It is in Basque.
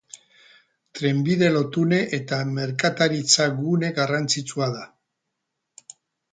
Trenbide lotune eta merkataritza-gune garrantzitsua da.